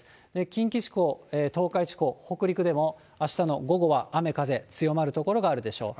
近畿地方、東海地方、北陸でもあしたの午後は雨、風、強まる所があるでしょう。